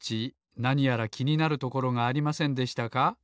なにやらきになるところがありませんでしたか？